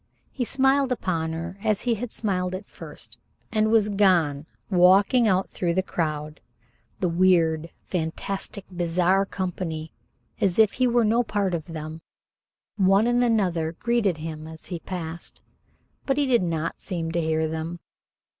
He smiled upon her as he had smiled at first, and was gone, walking out through the crowd the weird, fantastic, bizarre company, as if he were no part of them. One and another greeted him as he passed, but he did not seem to hear them.